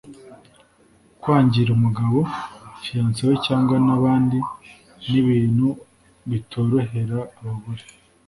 kwangira umugabo, fiyanse we cyangwa n'abandi, n'ibintu bitorohera abagore